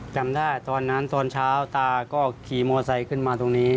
จำได้ตอนนั้นตอนเช้าตาก็ขี่มอไซค์ขึ้นมาตรงนี้